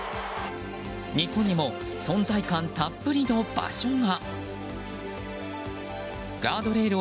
日本にも存在感たっぷりの場所が。